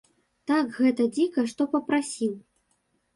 Так, гэта дзіка, што папрасіў.